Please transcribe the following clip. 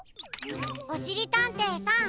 おしりたんていさん